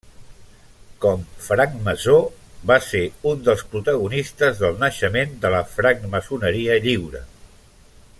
Com francmaçó va ser un dels protagonistes del naixement de la francmaçoneria lliure.